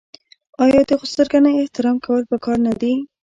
آیا د خسرګنۍ احترام کول پکار نه دي؟